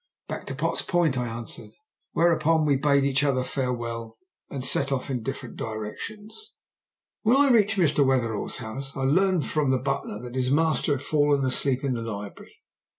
"Back to Potts Point," I answered. We thereupon bade each other farewell and set off in different directions. When I reached Mr. Wetherell's house I learned from the butler that his master had fallen asleep in the library.